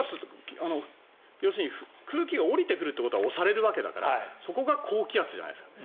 要するに空気が下りてくるってことは押されるわけだからそこが高気圧じゃないですか。